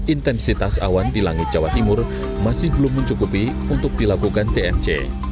intensitas awan di langit jawa timur masih belum mencukupi untuk dilakukan tmc